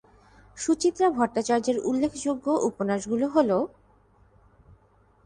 সুচিত্রা ভট্টাচার্যের উল্লেখযোগ্য উপন্যাসগুলি হল-